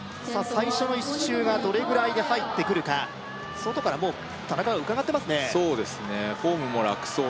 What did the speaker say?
最初の１周がどれぐらいで入ってくるか外からもう田中がうかがってますね